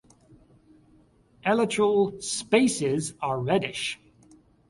Elytral spaces are reddish.